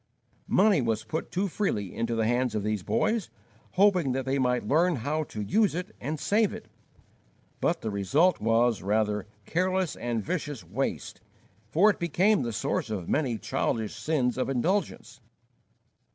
Money was put too freely into the hands of these boys, hoping that they might learn how to use it and save it; but the result was, rather, careless and vicious waste, for it became the source of many childish sins of indulgence.